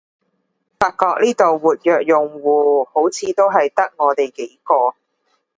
發覺呢度活躍用戶好似都係得我哋幾個